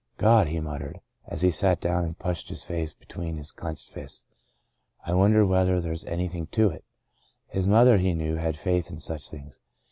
*' God/' he muttered, as he sat down and pushed his face between his clenched fists, *'I wonder whether there's anything to it?" His mother he knew had faith in such things.